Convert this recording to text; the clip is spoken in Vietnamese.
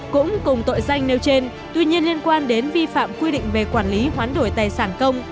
cũng cùng tội danh nêu trên tuy nhiên liên quan đến vi phạm quy định về quản lý hoán đổi tài sản công